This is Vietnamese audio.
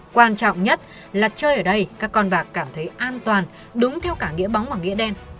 quan trọng nhất là chơi ở đây các con bạc cảm thấy an toàn đúng theo cả nghĩa bóng và nghĩa đen